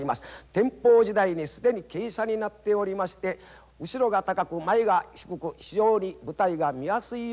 天保時代に既に傾斜になっておりまして後ろが高く前が低く非常に舞台が見やすいような状態となっております。